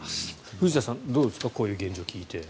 藤田さん、どうですかこういう現状を聞いて。